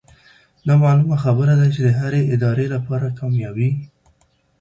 دا معلومه خبره ده چې د هرې ادارې لپاره کاميابي